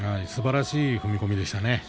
すばらしい踏み込みでしたね。